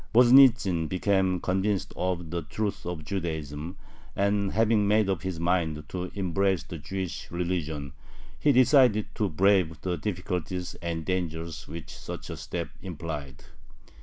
Voznitzin became convinced of the truth of Judaism, and, having made up his mind to embrace the Jewish religion, he decided to brave the difficulties and dangers which such a step implied.